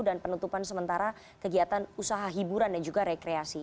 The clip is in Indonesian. dan penutupan sementara kegiatan usaha hiburan dan juga rekreasi